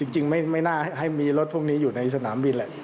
จริงไม่น่าให้มีรถพวกนี้อยู่ในสนามบินแหละ